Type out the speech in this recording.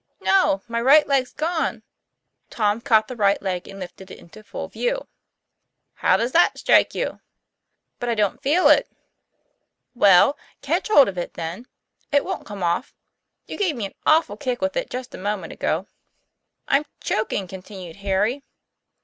'No: my right leg's gone. " Tom caught the right leg and lifted it into full vew. ' How does that strike you ?" "But I don't feel it." "Well, catch hold of it, then; it won't come off. You gave me an awful kick with it just a moment ago." "I'm choking," continued Harry.